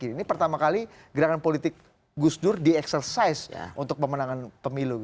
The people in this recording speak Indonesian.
ini pertama kali gerakan politik gus dur di exercise untuk pemenangan pemilu